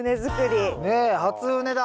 ねえ初畝だ。